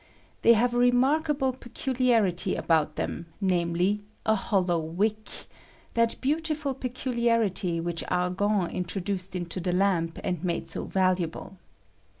They have a remark able peculiarity about them, namely, a hollow wick — that beautiful peculiarity which Argand introduced into the lamp and made so valuable.